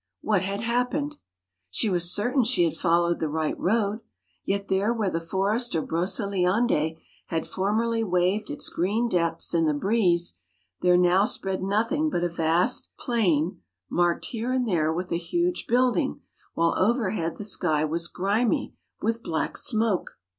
what had happened ? She was certain she had followed the right road; yet there where the forest of Broceliande had formerly waved its green depths in the breeze, there now spread nothing but a vast plain, marked here and there with a huge building, while overhead the sky was grimy with black smoke.